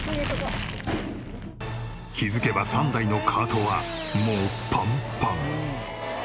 気づけば３台のカートはもうパンパン。